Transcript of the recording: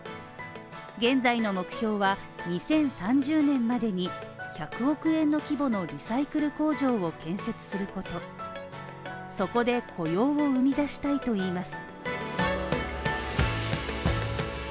現在の目標は２０３０年までに１００億円の規模のリサイクル工場を建設することそこで雇用を生み出したいといいます。